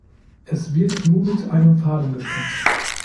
Es wird nur mit einem Faden gestrickt.